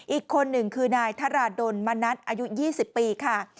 อีกคนหนึ่งคือนายธราดลมณัฐอายุ๒๐ปีค่ะ